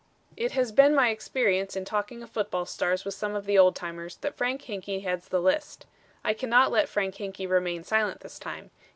It has been my experience in talking of football stars with some of the old timers that Frank Hinkey heads the list. I cannot let Frank Hinkey remain silent this time.